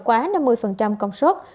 quá năm mươi công suất